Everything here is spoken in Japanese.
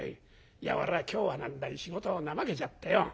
いや俺は今日は何だい仕事をなまけちゃってよ。